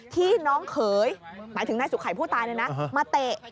ที่น้องเขยหมายถึงนายสุขัยผู้ตายมาเตะ